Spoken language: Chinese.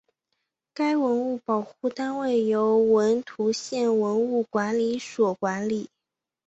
该文物保护单位由安图县文物管理所管理。